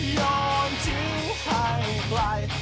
ยอมทิ้งให้ไกล